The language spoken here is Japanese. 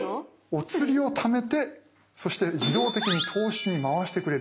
おつりをためてそして自動的に投資に回してくれる。